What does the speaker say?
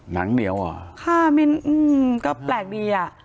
หนังเหนียวเหรอค่ะก็แปลกดีอ่ะ